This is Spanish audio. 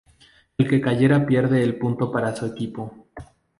El que cayera pierde el punto para su equipo.